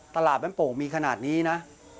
ตลาดปั้นโป่งมีขนาดนี้นะ